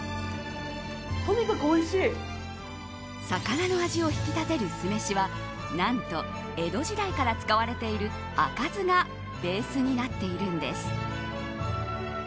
魚の味を引き立てる酢飯はなんと江戸時代から使われている赤酢がベースになっているんです。